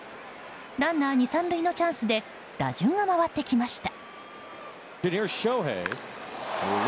ランナー２、３塁のチャンスで打順が回ってきました。